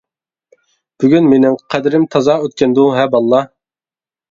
بۈگۈن «مىنىڭ» قەدرىم تازا ئۆتكەندۇ ھە باللا.